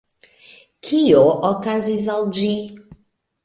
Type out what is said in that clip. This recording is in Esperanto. Kio okazis al ĝi?